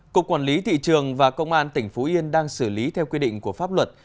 cục quản lý thị trường và công an tỉnh phú yên đang xử lý theo quy định của pháp luật